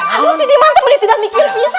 aduh si diman tuh beli tidak mikir pisan